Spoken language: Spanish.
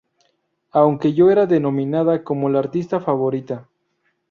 Aunque ya era denominada como la artista favorita.